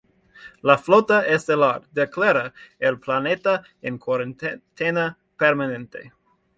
La Flota Estelar declara el planeta en cuarentena permanente.